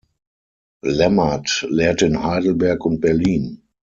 Lämmert lehrte in Heidelberg und Berlin.